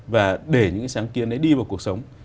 và để những cái sáng kiến đấy đi vào cuộc sống